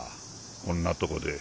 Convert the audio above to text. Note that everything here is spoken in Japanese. こんなとこで。